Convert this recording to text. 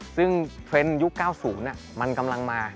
ซึ่งเทรนด์ยุค๙๐มันกำลังมา